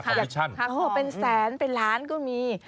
คอมพิชชั่นเป็นแสนเป็นล้านก็มี